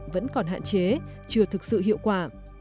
vẫn còn hạn chế chưa thực sự hiệu quả